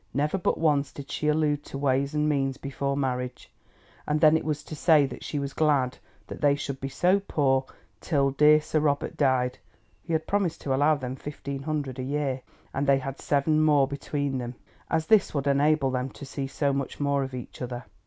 Never but once did she allude to ways and means before marriage, and then it was to say that she was glad that they should be so poor till dear Sir Robert died (he had promised to allow them fifteen hundred a year, and they had seven more between them), as this would enable them to see so much more of each other.